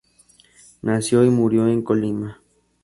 Nació y murió en Colima.